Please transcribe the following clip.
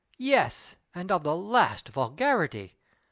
Yes, and of the last vulgarity